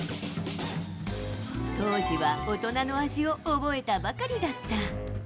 当時は大人の味を覚えたばかりだった。